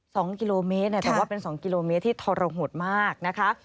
สองกิโลเมตรแต่ว่าเป็นสองกิโลเมตรที่ทรหดมากนะคะ